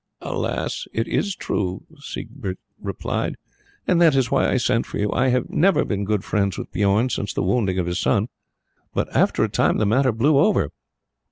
"Alas! it is true," Siegbert replied; "and that is why I sent for you. I have never been good friends with Bijorn since the wounding of his son, but after a time the matter blew over.